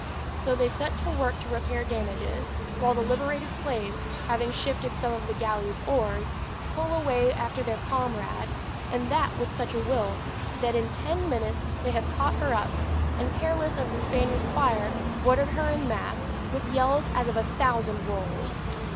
So they set to work to repair damages; while the liberated slaves, having shifted some of the galley's oars, pull away after their comrade; and that with such a will, that in ten minutes they have caught her up, and careless of the Spaniard's fire, boarded her en masse, with yells as of a thousand wolves.